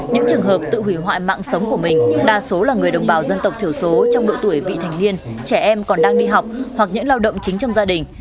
những trường hợp tự hủy hoại mạng sống của mình đa số là người đồng bào dân tộc thiểu số trong độ tuổi vị thành niên trẻ em còn đang đi học hoặc những lao động chính trong gia đình